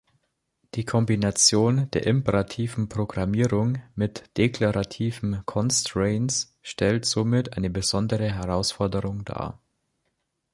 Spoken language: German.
Die Kombination der imperativen Programmierung mit deklarativen Constraints stellt somit eine besondere Herausforderung dar.